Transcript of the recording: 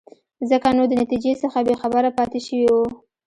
ځکه نو د نتیجې څخه بې خبره پاتې شوی وو.